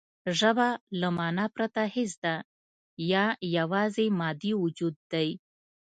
ژبه له مانا پرته هېڅ ده یا یواځې مادي وجود دی